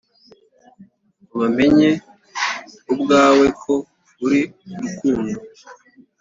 bamenye ubwawe ko uri rukundo